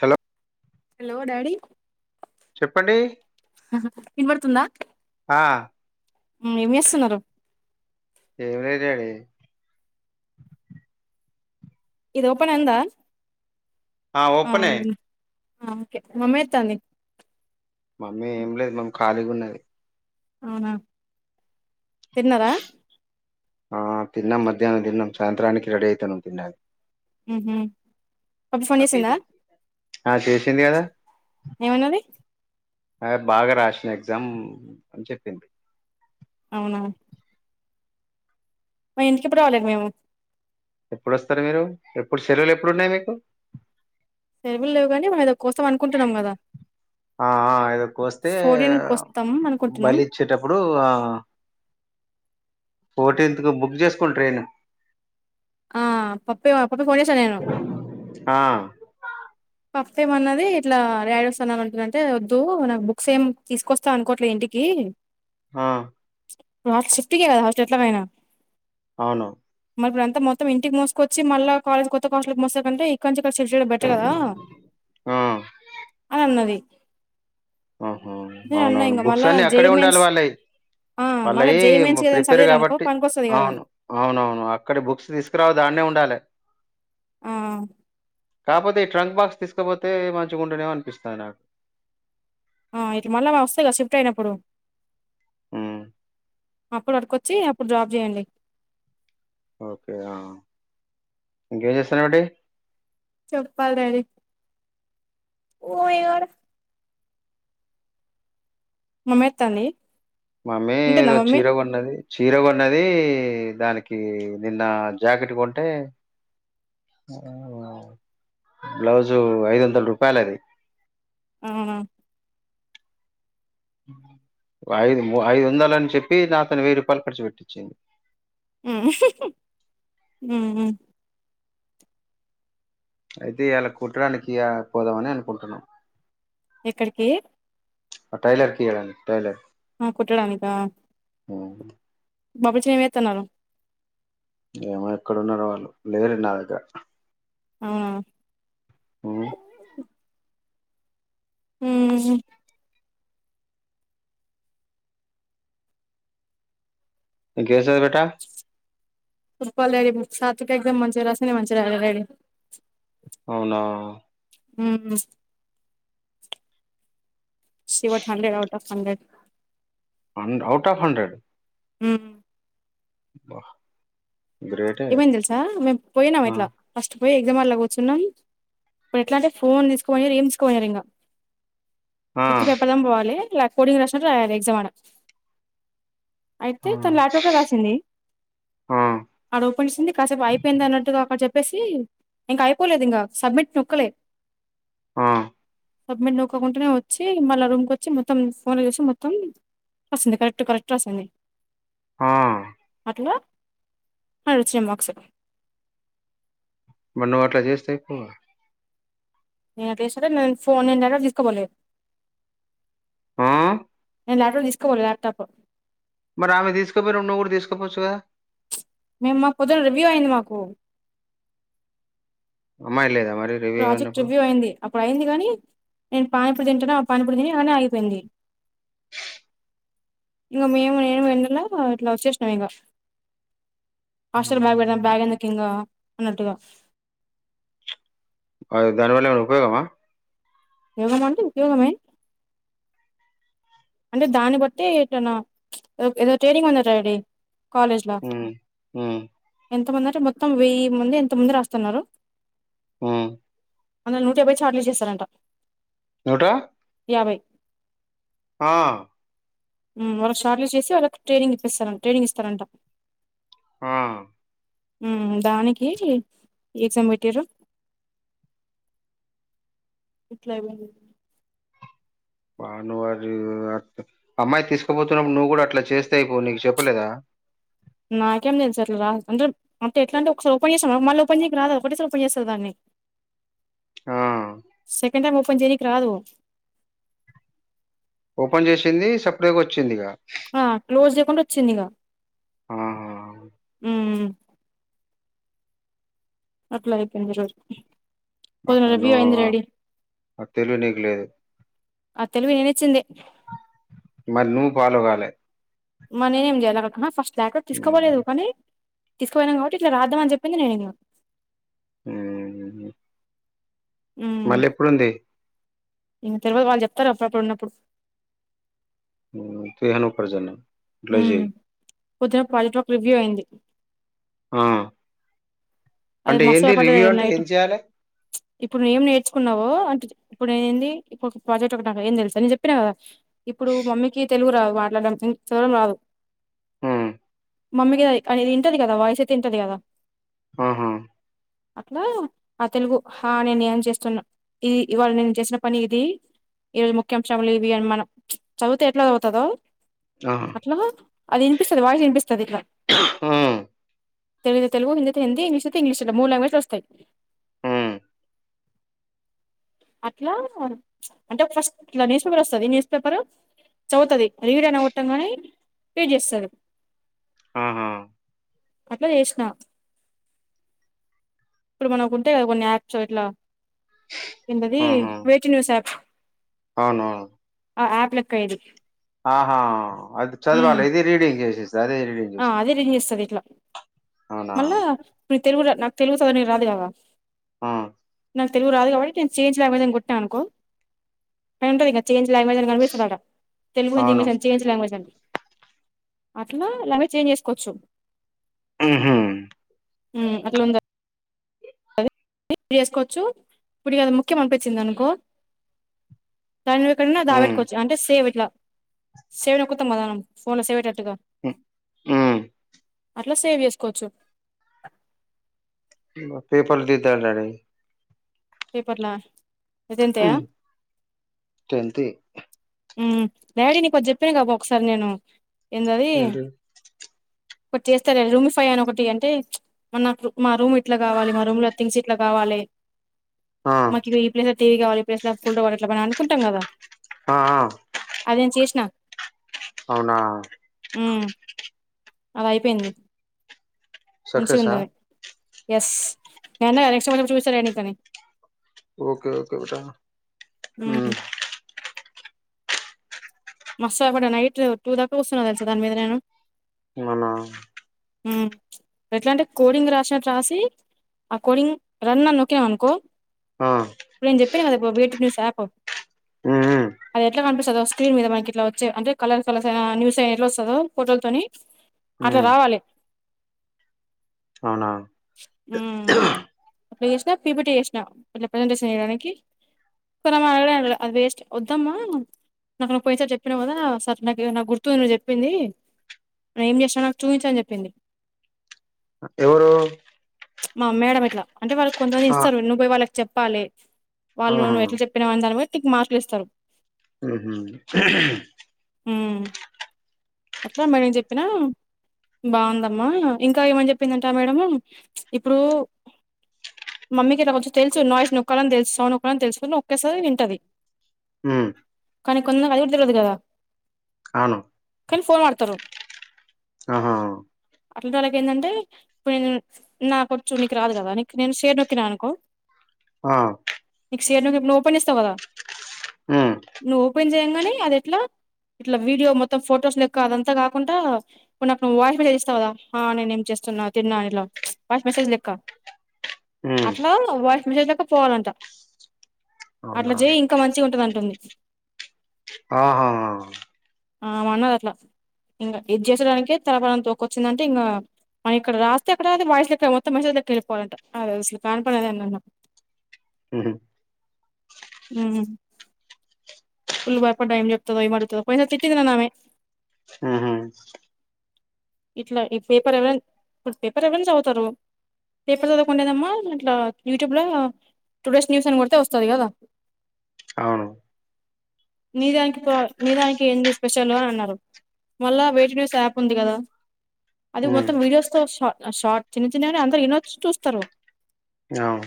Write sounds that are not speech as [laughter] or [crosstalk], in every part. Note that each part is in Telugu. హలో హలో డాడి చెప్పండి ఆహా వినపడు తుందా ఆ ఏం చేేస్తున్నారు ఏం లేద్ డ్యాడీ ఇది ఓపెన్ అందా ఆ ఓపనే ఆ ఓకే మమ్మేతంది మమ్మీ ఏం లేదు మమ్ కాళిగున్నది అవునా తిన్నారా ఆ తిన్నాం మధ్యాహ్నం తిన్నాం సాయంత్రానికి రెడీ అయితానం తిన్డాని ఉహూ పుపి ఫోన్ చేసిందా ఆ చేసింది కదా ఏమన్నది అ బాగా రాసిన ఎగ్జామ్ అని చెప్పింది అవునా మ ఇంటికి ఎప్పుడు రవాలే మేము ఎప్పుడొస్తారు మీరు ఎప్పుడు సెలవులు ఎప్పుడున్నాయి మీకు సెలవులు లేవు గనీ వైద్ ఆఆ ఇదకోస్తే ఫోర్టీన్ కోస్తాం అనుకుంటున్నాం బలిచ్చేటప్పుడు ఆ ఫోర్టీన్త్ కు బుక్ చేసుకోండి ట్రైన్ ఆ పప్పి పప్పి ఫోన్ చేశిన నేను ఆ పప్పి ఎం అన్నది ఇట్లా డాడీ వస్తనని అంటున్నారంటే వద్దు నాకు బుక్స్ ఏం తీసుకొస్తా అనుకోట్లేదు ఇంటికి ఆ [unintelligible] షిఫ్టీకదా హాస్ట్ ఎట్లా నైనా అవును మరి ఇప్పుడు అంత మొత్తం ఇంటికి మోకొచ్చి మళ్ళ కాలేజ్ కొత్తకాస్ట్ల్ కు మోసాంటే ఇంక చే ఇక్కడ చుచుడు బెటర్ కదా ఆ ఉన్నది అహ అవునవును బుక్స్ అన్ని జేఈ అక్కడే ఉండాలే మెయిన్స్ వాళ్ళై ఆ మళ్ళా వాళ్ళయి జేఈ మెయిన్స్ ఏదైనా ప్రిపేర్ చదివిరనుకో కాబట్టి పనికొస్తది కదా అవును అవునవును అక్కడ బుక్స్ తీసుకురావొద్దు అన్నే ఉండాలే ఆ కాకపోతే ఈ ట్రంక్ బాక్స్ తీసుకపోతే మంచిగా ఉంటునేమో అనిపిస్తంది నాకు ఆ ఇటు మళ్ళా వస్తాయి షిఫ్ట్ అయినప్పుడు ఉ అప్పుడు అడికొచ్చి అప్పుడు జాబ్ చేయండి ఓకే ఇంకా ఎం చేస్తానవు చెప్పాల డాడి ఓ ఏవారు మమ్మి వత్తాంది మమ్మీ ఏదో చీర కొన్నది చీర కొన్నది దానికి నిన్న జాకెట్ కొంటే బ్లౌజు ఐదు వందల రూపాయలు అది అవునా ఐదు ఐదు వందలు అని చెప్పి నాతోని వెయ్యి రూపాయలు ఖర్చు పెట్టించిింది ఉమ్ ఉమ్ ఉమ్ అయితే ఇలా కుట్టడానికి పోదామని అనుకుంటున్నాం ఎక్కడికి ఆ టైలర్కి ఇయ్యడానికి టైలర్ ఆ కుట్టడానికా అవును బాబుచి ఏం చేస్తన్నారు ఏమో ఎక్కడన్నారో వాళ్ళు లేరు నా దగ్గర అవునా ఉ ఉ కేస బేటా ఫుట్బల్ రెడీ సాత్విక ఎగ్జామ్ మంచిగా రాసింద మంచిగా రాయలే డాడీ అవునా ఉ శివట్ hundred out of hundred out of hundred ఉ వా ఏమైంది తెలుసా మేము పోయినాం ఆ ఇట్లా ఫస్ట్ పోయి ఎగ్జామ్ హాల్లో కూర్చున్నాం ఇప్పుడు ఎట్లా అంటే ఫోన్ తీసుకోని ఏం తీసుకోనిపోనిరు ఇంకా ఆ ఉత్తి పెప్పదాం పోవాలి ల పోడింగ్ రాసినట్టు రాయాలి ఎగ్జామ్ ఆడ ఆ అయితే తను లాప్టాప్ లో రాసింది ఆ ఆడ ఓపెన్ చేసింది కాసేపు అయిపోయింది అన్నట్టుగా అడ చెప్ చెప్పేసి ఇంక అయిపోలేదు ఇంకా సబ్మిట్ నొక్కలే ఆ సబ్మిట్ నొక్కకుండానే వచ్చి మళ్ళ రూమ్కి వచ్చి మొత్తం ఫోన్ చేసి మొత్తం వస్తుంది కరెక్ట్ కరెక్ట్ వస్తుంది ఆ ఎలా ఆడ వచ్చినాయి మార్క్స్ మళ్ళ నువ్వు అట్లా చేస్తే ఎక్కువ నేను అట్ల చేస్తాను నేను ఫోన్ నను డై తీసుకోపోలేదు మ్మ్ నే ల్యాప్టాప్ తీసుకపోను ల్యాప్టాప్ మరి ఆమె తీసుకుపోయిరు నువ్వు కూడా తీసుకోపోవచ్చు కదా మేము మా పొద్దున్న రివ్యూ అయింది మాకు అమ్మాయి లేదా మరి రివ్యూ ప్రాజెక్ట్ అయినప్పుడు రివ్యూ అయింది ప్పుడు అయింది కాని నేను పానీపూరి తింటున్నాను ఆ పానీపూరి తిని అనే ఆగిపోయింది ఇంగ మేము నేను వెన్నెల ఇట్లా వచ్చేసినం ఇంగ హాస్టల్ బ్యాగ్ పెడదాం ఉమ్. బ్యాగ్ ఎందుకు కింద అన్నటుగా అ దానివల్ల ఏమన్న ఉపయోగమా యోగమ అంటే ఉపయోగమే అంటే దాన్ని బట్టి ఏనా ఏదో ట్రేనింగ్ ఉందట డాడీ కాలేజ్ లో ఉమ్, ఉమ్, ఎంతమంది అంటే మొత్తం వెయ్యి మంది ఎంత మంది రాస్తన్నారు ఉమ్. అందులో నూట యాభై చార్ట్లు యూస్ చేస్తారంట ఏమంట యాభై ఆ మ్మ్ వర షార్ట్లిస్ట్ చేసి వాళ్ళకి ట్రైనింగ్ ఇప్పిస్తార్ ట్రైనింగ్ ఇస్తారంట మ్మ్ మ్మ్ దానికి ఎగ్జామ్ పెట్టిర్రు ఇట్లా బ నువ్ వరి అమ్మాయి తీసుకోపోతున్నప్పుడు నువ్వు కూడా అట్లా చేస్తేయి పో నీకు చెప్పలేదా నాకేం తెలుసు అస్సల్ రా అంటే అంటే ఎట్లాంటే ఒకసారి ఓపెన్ చేస్తారా మళ్ళీ ఓపెన్ చేయికి రాదు ఒకటెసారి ఓపెన్ చేస్తారు దాన్ని ఆ. సెక్ కండ్ టైమ్ ఓపెన్ చెయ్యనికి రాదు ఓపెన్ చేసింది సప్పిడిగా వచ్చింది ఇగ ఆ క్లోజ్ చేయకుండా వచ్చింది ఇగ ఆహా మ్మ్ అప్లై అయిపోయింది ఈరోజు అస్సలు ఆ తెలివి నీకు లేదు వచ్చింది మరి నువ్ పాలోగాలే మరి నేనేం చెయ్యాలి [unintelligible] ఫస్ట్ ల్యాప్టాప్ ఉమ్ తీసుకోబలేదు కానీ తీస్కపోయినం కాబట్టి ఇట్లా రాద్దామ్ అని చెప్పింది నేను మ్మ్ మళ్ళీ ఎప్పుడుంది ఇంగ తరువాత వాళ్ళు చెప్తారు అప్పుడప్పుడు ఉన్నప్పుడు తూ ఎనపార్జం క్లేజి ఉమ్. పొద్దున పల్త్రోప్ రివ్యూ అయింది ఆ అది అంటే మస్తు ఏంది భయపడ్డ రివ్యూ అంటే నైట్ ఏం చేయాలి. ఇప్పుడు నువ్ ఏం నేర్చుకున్నావో అంటే ఇప్పుడు నేను ఏంది ఇప్పుడు ఒక ప్రాజెక్ట్ ఒకటిక ఏం తెలుసు నేను చెప్పినాను కదా ఇప్పుడు మమ్మీకి తెలుగు రాదు మాట్లాడం చదరడం రాదు ఉమ్ మమ్మీకి అది వింటది కదా వాయిస్ అయితే వింటది కదా ఆహా అట్లా ఆ తెలుగు హా నేను ఏం చేస్తున్నా ఇది ఇవాళ నేను చేసిన పని ఇది ఈ రోజు ముఖ్యాంశములు ఇవి అని మనం ప్చ్ చదివితే ఎట్లా చదువుతుదో ఆహా అట్లా అది వినిపిసస్తాది వాడికి వినిపిస్తాది ఇట్లా ఉమ్ తెలుగైతే తెలుగు హిందైతే హిందీ ఇంగ్లీష్ అయితే ఇంగ్లీష్ ఇలా మూడు లాంగ్వజ్స్ లో వస్తాయి ఉమ్ అట్లా ప్చ్ అంటే ఫస్ట్ ఇట్లా న్యూస్ పేపర్ వస్తాది. న్యూస్ పేపర్ చదువుతుది రీడ్ అని గొట్టామ్ గానే రీడ్ చేస్తాది. ఆహా అట్లా చేసినా ఇప్పుడు మన ఉంటే కదా కొన్ని యాప్స్ ఇట్లా ఎంటది ఆహా వేటూన్యూస్ ఆప్ అవును ఆ ఆప్లక్క ఇది ఆహా అది ఉమ్ చదవాలి ఇది రీడింగ్ చేసే ఆ అదే రేంజ్ చేస్తది ఇట్లా అవునా మళ్ళా తెలుగు రా నాకు తెలుగు చదా నను రాదు కదా ఆ నాక్ తెలుగు రాదు కాబట్టి చేంజ్ లాంగ్వేజ్ మీద కొటిన్నా అనుకో అది ఉంటది గా చే లాంగ్వేజ్ అని కనిపిస్తది అడా తెలుగు హింది అవును ఇంగ్లిష్ చేంజ్ లాంగ్వజ్ అని అట్లా [unintelligible] చేంజ్ చేసుకోవచ్చు మ్ హు మ్ అట్లుంద ఇ చేసుకోవచ్చు, ఇప్పుడుకి అది ముఖ్యం అనిపించింది అనుకో, దాని ఎక్కడనా దాబ ఉమ్ పెట్టుకోవచ్చు అంటే సేవ్ ఇట్లా సేవ్ నొక్కుతమ్ మనం ఫోన్ లో సేవ్యేటట్టుగా మ్ మ్ అట్లా సేవ్ చేసుకోవచ్చు పేపర్లు దిద్దాలి డాడి పేపర్లా ఇదంతయా మ్ టెన్త్యి మ్ డాడీ నీ కొటి చెప్పాను కాబా ఒకసారి నేను ఏందాది ఏంటి ఒకటి చేస్తారడి రూమ్ఫై అని ఒకటి ఇయ్అంటే ప్చ్ మన నాకు మా రూమ్ ఇట్లా కావాలి, మా రూమ్ లో థింగ్స్ ఇట్లా కావాలి. ఆ మాకి ఇది ఈ ప్లేస్ టీవి కావాలి ఈ ప్లేస్ లో [unintelligible] అని అనుకుంటాం కదా ఆ ఆ అదినేను చేసిన అవునా అలా అయిపోయింది నీకు సక్సెసా ఎస్ [unintelligible] న ఎక్స్ప్పు చూసార ఎనిత ఓకే ఓకే బేటా హ్మ్ ఉమ్ మస్తు అక్కడ నైట్ టూ దాకా వస్తున్నా తెలుసా దాని మీద నేను అవునా ఉ ఎట్లా అంటే కోడింగ్ రాసినట్టు రాసి ఆ కోడింగ్ రన్ అని నొక్కినం అనుకో ఆ ఇప్పుడు నేను చెప్పిన కదా వే టు న్యూస్ యాప్ ఉమ్ ఉమ్ అది ఎట్లా కనిపిస్తదో స్క్రీన్ మీద మనకి ఇట్లా వచ్చేవి అంటే కలర్ కలర్స్ అయినా న్యూస్ అయినా ఎట్ల వస్తదో ఫోటోల తోని అట్లా ఉమ్ రావాలి. అవునా ఉ అట్లా చేసిన పి పి టీ చేసిన. అట్లా ప్రెసెంటేషన్ చేయడానికి. ఆ అది వేస్ట్ వద్దమ్మా నాకు నువ్వు పోయినసారి చె చెప్పినవు కదా సరే నాకు నాకు గుర్తుంది నువ్వు చెప్పింది నేను ఏం చేసినావు నాకు చూపించని చెప్పింది ఎవరు మా మేడం ఇట్లా అంటే వాళ్ళకి కొంతమంది ఆ ఇస్తారు నువ్వు పోయి వాళ్ళకి చెప్పాలి వాళ్ళు ఆహా నువ్వు ఎట్లా చెప్పినవు అన్న దాన్నిబట్టి టిక్ మార్కులు ఇస్తారు ఉహు ఉ అట్లా మేడమ్ కి చెప్పినా బాగుందమ్మా ఇంకా ఏమని చెప్పిందంటే ఆ మేడం ఇప్పుడు మమ్మీకి ఇట్ల కొంచెం తెలుసు నాయిస్ నోక్కాలని తెలుసు సౌండ్ నొక్కాలని తెలుసు నొక్కేస్తది వింటది. ఉమ్ కానీ కొంతమంది అది కూడా తెల్వదు కదా అవును కాని ఫోను వాడుతరు ఆహా అట్లాంటోల్లాకు ఎందంటె నాకు ఒచ్చు నీకు రాదుకదా నీకు నేను షేర్ నొక్కిన అనుకో ఆ నీకు షేర్ నొక్కితే నువ్వు ఓపెన్ చేస్తావ్ కదా ఉమ్ నువ్వు ఓపెన్ చెయ్యంగనే ఇట్లా వీడియో మొత్తం ఫొటోస్ లెక్క అదంతా కాకుండా కొన్ని నాకు వాయిస్ మెసేజ్ ఇస్తావు కదా. నేను ఏం చేస్తున్నా తిన్నా ఇలా వాయిస్ మెసేజ్ లెక్క ఉమ్ అట్లా వాయిస్ మెసేజ్ లెక్క పోవాలంట. అట్లా అవునా చేయి ఇంకా మంచిగ ఉంటది అంటుంది. ఆహా ఆమె అన్నది అట్లా. ఇంకా ఇది చేసేదానికే తల ప్రాణం తోకకి వచ్చిందంటే ఇంకా మనం ఇక్కడ రాస్తే అక్కడ వాయిస్ లెక్క మొత్తం మెసేజ్ లెక్క వెళ్లిపోవాలాంట. అది అసలు కానిపని అని అన్నాను. ఉహు అ ఫుల్ భయపడ్డా ఏం చెప్తదో ఏమడుగుతదో పోయినసారి తిట్టింది నన్ను ఆమె. ఉహు ఇట్లా ఈ పేపర్ ఎవరు ఇప్పుడు పేపర్ ఎవరు చదవతారు పేపర్ చదవకుంటెందమ్మా ఇట్లా యూట్యూబ్ లో టుడేస్ న్యూస్ అని కొడితే వస్తది కదా. అవును నీ దానికి నీ దానికి ఏంది స్పెషల్ అని అన్నారు. మళ్ళా వే టు న్యూస్ యాప్ ఉంది కదా అది ఉమ్ మొత్తం వీడియోస్ తో ష షార్ట్ చిన్న చిన్నగనే అందరు వినొచ్చు చూస్తారు అవును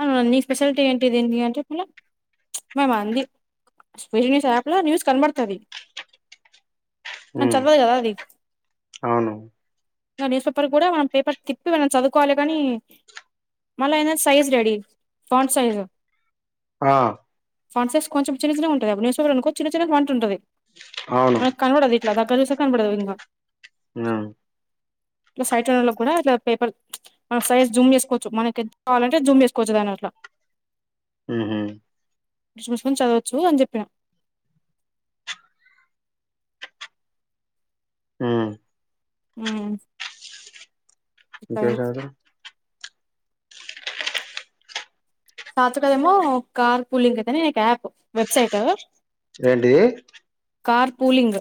అని అంది. నీ స్పెషాలిటీ ఏంటిది. అంటే మళ్ళా మేడం అంది స్పెషల్ న్యూస్ యాప్ లో న్యూస్ కనబడుతది కానీ ఉమ్ చదవదు కదా అది. అవును ఇంకా న్యూస్ పేపర్ కూడా మనం పేపర్ తిప్పి మనం చదువుకోవాలి. కానీ మళ్ళీ అయిన సైజు రెడీ ఫాంట్ సైజు. ఆ స్పాన్సర్స్ కొంచెం చిన్న చిన్నగా ఉంటది. న్యూస్ పేపర్ అనుకో చిన్న చిన్న ఫాంట్ ఉంటది అవును మనకు కనపడదు. ఇట్లా దగ్గర చూస్తే కనపడదు. ఇంగా ఉమ్ ఇట్లా సైట్ ఉన్నోళకు కూడ పేపర్ సైజ్ జూమ్ చేసుకోవచ్చు మనకు ఎంత కావాలంటే జూమ్ చేసుకోవచ్చు దాన్ని అట్లా ఉహు అట్లా చదవచ్చు అని చెప్పిన ఉమ్ ఉ ఇంకేం సంగతులు సాత్వికది ఏమో కార్ పూలింగ్ అయితనే ఒక యాప్ వెబ్సైట్ ఏంటిది కార్ పూలింగ్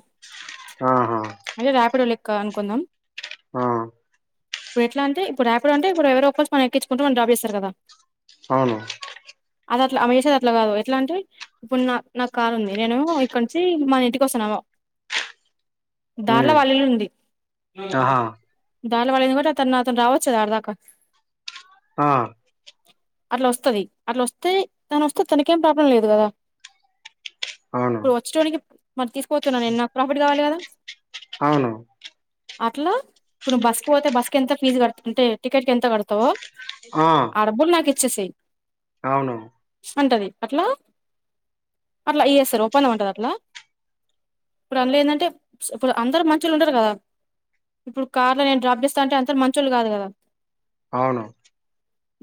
ఆహా అంటే ర్యాప్ ఇప్పుడో లెక్క అనుకుందాం. ఆ ఇప్పుడు ఎట్ల అంటే ఇప్పుడు రాపిడో అంటే ఇప్పుడు ఎవరో ఒకరు మనం ఎక్కించుకుంటం వాల్ డ్రాప్ చేస్తరు కదా. అవును అది అట్ల అమె చేసేది అట్ల కాదు ఎట్ల అంటే ఇప్పుడు నా నాకు కారు ఉంది నేను ఇక్కడ నుంచి మన ఇంటికి వస్తున్నా దారిలో హ్మ్ వాళ్ళ ఇల్లు ఉంది అ ఆహా దార్లో ఎడ్కిపోతే అత్తన్న అతను నాతోను రావచ్చు కదా ఆడదాక ఆ అట్ల వస్తది అట్ల వస్తే తను వస్తే తనకేం ప్రాబ్లం లేదు కద అవును ఇప్పుడు వచ్చేటోనికి మరి తీసుకపోతున్న నేను నాకు ప్రాఫిట్ కావాలె కద అవును అట్ల ఇప్పుడు నువు బస్సు కు పోతే బస్కి ఎంత ఫీజు కడత అంటే టికెట్ కి ఎంత కడతవో ఆ ఇచ్చేసేయి అవును అంటది అట్ల అట్ల ఇగేస్తరు ఒప్పందం ఉంటది అట్ల ఇప్పుడు అందులో ఏంటంటే ఇప్పుడు అందరు మంచొళ్ళు ఉండరు కదా ఇప్పుడు కార్ ల నేను డ్రాప్ చేస్త అంటే అందరు మంచోళ్ళు కాదు కదా అవును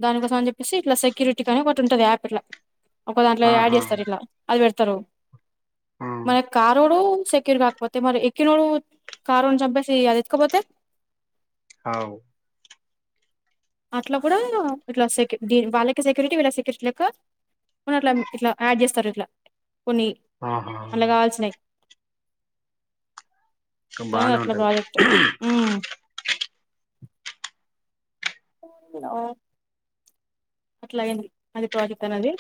దానికోసం అని చెప్పేసి సి ఇట్ల సెక్యూరిటీ కని ఒకటి ఉంటది యాప్ ఇట్లా ఒక దాంట్లో యాడ్ ఆహా చేస్తారు ఇట్ల అది వెడుతరు ఆ మనకు కారోడు సెక్యూర్ కాకపోతే మరి ఎక్కినోడు కారోని చంపేసి అది ఎత్తుకపోతే అవు అట్ల కూడా ఇట్లా సెక్యూ టీం వాళ్ళకి సెక్యూరిటీ వీళ్ళ సెక్యూరిటీ లెక కొనట్ల ఇట్ల యాడ్ చేస్తరు ఇట్ల కొన్ని ఆహా ఆన్ల కావాల్సినై ఇంక బానే ఉంటది ఉమ్ ఓ అట్ల అయింది అది ప్రాజెక్ట్ అన్నది